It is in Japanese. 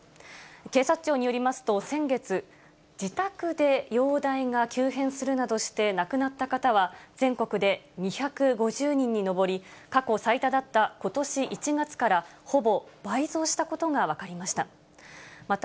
警察庁によりますと、先月、自宅で容体が急変するなどして亡くなった方は全国で２５０人に上り、過去最多だったことし１月からほぼ倍増したことが分かりました。